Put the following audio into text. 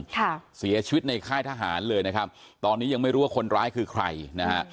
ค่ะเสียชีวิตในค่ายทหารเลยนะครับตอนนี้ยังไม่รู้ว่าคนร้ายคือใครนะฮะ